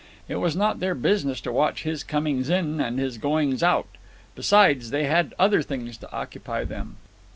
It was not their business to watch his comings in and his goings out. Besides, they had other things to occupy them.